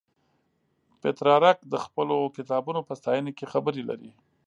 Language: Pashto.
پترارک د خپلو کتابونو په ستاینه کې خبرې لري.